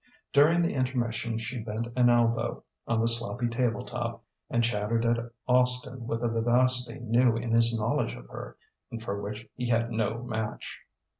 During the intermission she bent an elbow on the sloppy table top and chattered at Austin with a vivacity new in his knowledge of her, and for which he had no match....